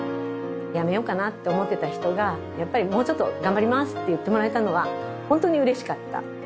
辞めようかなと思ってた人が、やっぱりもうちょっと、頑張りますって言ってもらえたのは、本当にうれしかった。